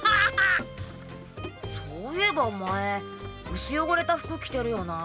そういえばお前薄汚れた服着てるよな。